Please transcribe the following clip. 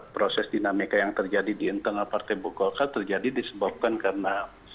proses dinamika yang terjadi di internal partai golkar terjadi disebabkan karena